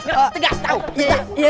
anak lagi tegas ngerti ya